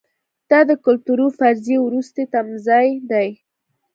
دا د کلتوري فرضیې وروستی تمځای دی.